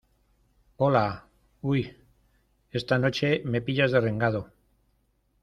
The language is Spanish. hola. uy, esta noche me pillas derrengado .